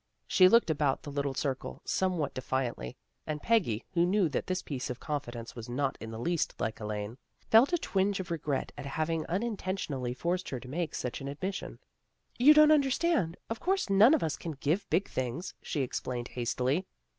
She looked about the little circle, somewhat de fiantly, and Peggy, who knew that this piece of confidence was not in the least like Elaine, felt a twinge of regret at having unintentionally forced her to make such an admission. " You don't understand. Of course none of us can give big things," she explained hastily.